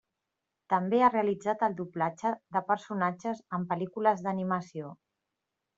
També ha realitzat el doblatge de personatges en pel·lícules d'animació.